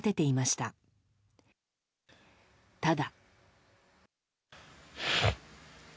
ただ。